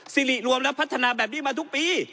สิริรวมและพัฒนาแบบนี้มาทุกปี